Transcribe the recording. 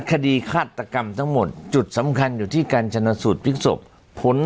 คดีคาดตรรรมทั้งหมดจุดสำคัญอยู่ที่การจรรย์สูตรพิกษบผล